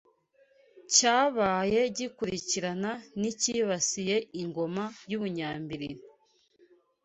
cyabaye gikurikirana n’icyibasiye Ingoma y’u Bunyambilili